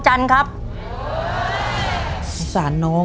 ใช่นักร้องบ้านนอก